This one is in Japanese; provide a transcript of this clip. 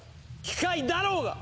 機械だろうが！